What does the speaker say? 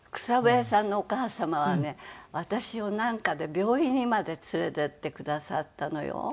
草笛さんのお母様はね私をなんかで病院にまで連れてってくださったのよ。